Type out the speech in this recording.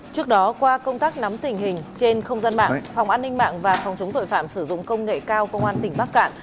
trước đó qua công tác nắm tình hình trên không gian mạng phòng an ninh mạng và phòng chống tội phạm sử dụng công nghệ cao công an tỉnh bắc cạn